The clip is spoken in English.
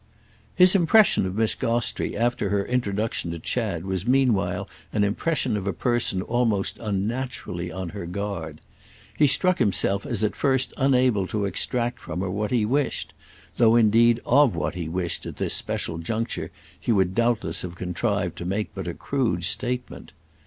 His impression of Miss Gostrey after her introduction to Chad was meanwhile an impression of a person almost unnaturally on her guard. He struck himself as at first unable to extract from her what he wished; though indeed of what he wished at this special juncture he would doubtless have contrived to make but a crude statement.